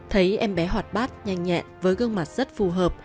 thấy em bé hoạt bát nhanh nhẹn với gương mặt rất phù hợp